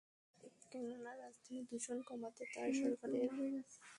কেননা, রাজধানীর দূষণ কমাতে তাঁর সরকারের জোড়-বিজোড় পরীক্ষা প্রথম দিনে দুর্দান্ত সফল।